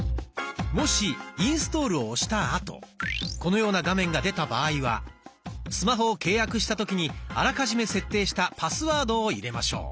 もし「インストール」を押した後このような画面が出た場合はスマホを契約した時にあらかじめ設定したパスワードを入れましょう。